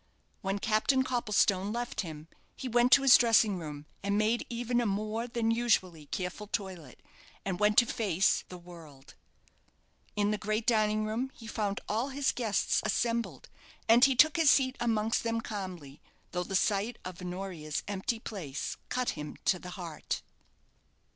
When Captain Copplestone left him, he went to his dressing room, and made even a more than usually careful toilet, and went to face "the world." In the great dining room he found all his guests assembled, and he took his seat amongst them calmly, though the sight of Honoria's empty place cut him to the heart.